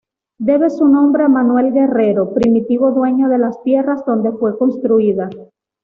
Debe su nombre a Manuel Guerrero, primitivo dueño de las tierras donde fue construida.